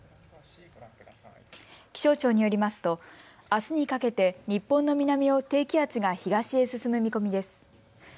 気象庁によりますとあすにかけて日本の南を低気圧が東へ進む見込みです。